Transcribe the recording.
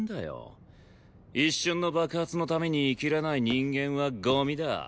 一瞬の爆発のために生きれない人間はゴミだ。